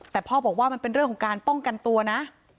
แต่พ่อบอกว่ามันเป็นเรื่องของการป้องกันตัวนะ